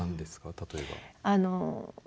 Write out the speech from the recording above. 例えば。